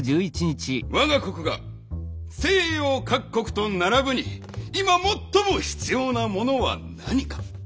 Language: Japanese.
我が国が西洋各国と並ぶに今最も必要なものは何か。